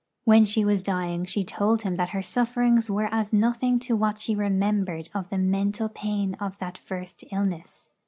When she was dying she told him that her sufferings were as nothing to what she remembered of the mental pain of that first illness.